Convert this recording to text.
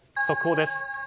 速報です。